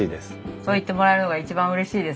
そう言ってもらえるのが一番うれしいです。